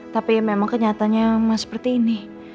tapi memang kenyataannya seperti ini